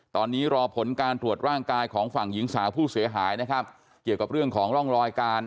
ตอนนี้รอผลการตรวจร่างกายของฝั่งหญิงสาวผู้เสียหายนะครับเกี่ยวกับเรื่องของร่องรอยการ